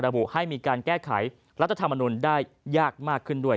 บุให้มีการแก้ไขรัฐธรรมนุนได้ยากมากขึ้นด้วย